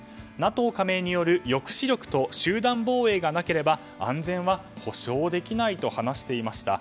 ＮＡＴＯ加盟による抑止力と集団防衛がなければ安全は保証できないと話していました。